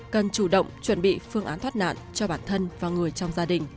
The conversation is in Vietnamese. cần chủ động chuẩn bị phương án thoát nạn cho bản thân và người trong gia đình